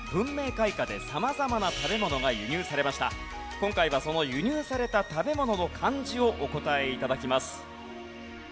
今回はその輸入された食べ物の漢字をお答え頂きます。